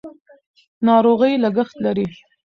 ناروغي لګښت لري.